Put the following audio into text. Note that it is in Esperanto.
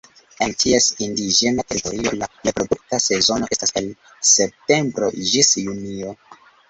En ties indiĝena teritorio la reprodukta sezono estas el septembro ĝis junio.